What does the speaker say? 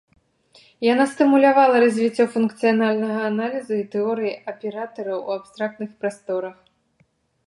Яна стымулявала развіццё функцыянальнага аналізу і тэорыі аператараў у абстрактных прасторах.